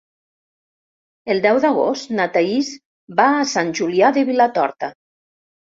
El deu d'agost na Thaís va a Sant Julià de Vilatorta.